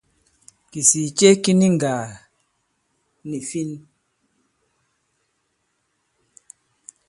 Kìsìì ce ki ni ŋgàà nì fin.